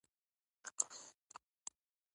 د اسلام سپیڅلی دین د ژوند یؤ بشپړ نظام دی!